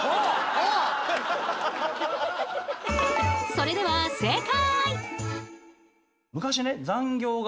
それでは正解！